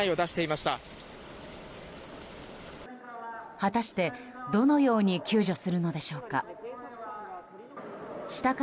果たして、どのように救助するのでしょうか。